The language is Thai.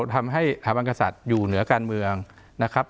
ทำให้สถาบันกษัตริย์อยู่เหนือการเมืองนะครับ